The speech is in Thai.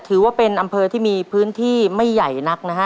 ถือว่าเป็นอำเภอที่มีพื้นที่ไม่ใหญ่นักนะฮะ